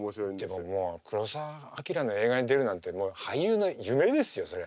でももう黒澤明の映画に出るなんてもう俳優の夢ですよそれ。